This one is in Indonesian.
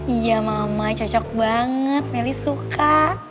iya mama cocok banget meli suka